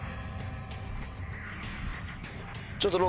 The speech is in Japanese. ちょっと。